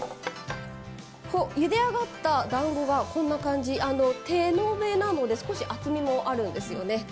ゆで上がっただんごがこんな感じ、手延べなので少し厚みもあるんですよね。